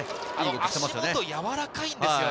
足元やわらかいんですよね。